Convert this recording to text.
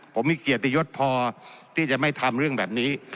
ผมมีเกียรติยศพอที่จะไม่ทำเรื่องแบบนี้